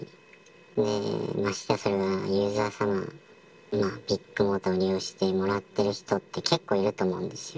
で、ましてやユーザー様にビッグモーターを利用してもらってる人って、結構いると思うんですよ。